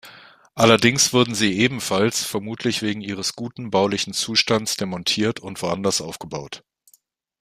Allerdings wurden sie ebenfalls vermutlich wegen ihres guten baulichen Zustandes demontiert und woanders aufgebaut.